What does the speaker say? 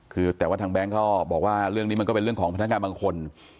คือแต่ว่าทางแบงค์ก็บอกว่าเรื่องนี้มันก็เป็นเรื่องของพนักงานบางคน